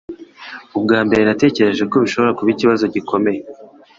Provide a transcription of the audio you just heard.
Ubwa mbere, natekereje ko bishobora kuba ikibazo gikomeye.